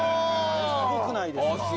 すごくないですか。